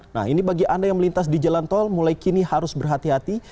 nah ini bagi anda yang melintas di jalan tol mulai kini harus berhati hati